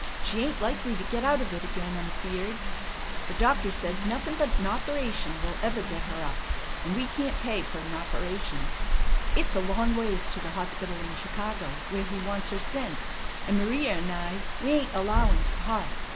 She ain't likely to get out of it again' I'm feared. The doctor says nothin' but a 'noperation will ever get her up, and we can't pay fer 'noperations. It's a long ways to the hospital in Chicago where he wants her sent, and M'ria and I, we ain't allowin' to part.